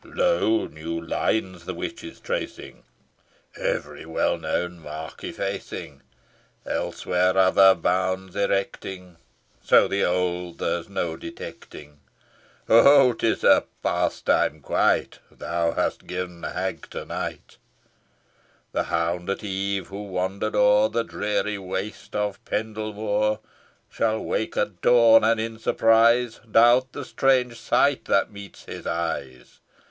Lo! new lines the witch is tracing, Every well known mark effacing, Elsewhere, other bounds erecting, So the old there's no detecting. Ho! ho! 'tis a pastime quite, Thou hast given the hag to night! The hind at eve, who wander'd o'er The dreary waste of Pendle Moor, Shall wake at dawn, and in surprise, Doubt the strange sight that meets his eyes.